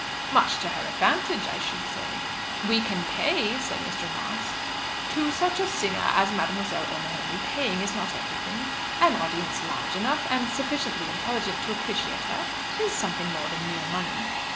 "Much to her advantage, I should say." "We can pay," said Mr. Moss. "To such a singer as Mademoiselle O'Mahony paying is not everything. An audience large enough, and sufficiently intelligent to appreciate her, is something more than mere money."